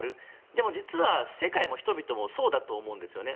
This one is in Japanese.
でも、実は世界も人々もそうだと思うんですよね。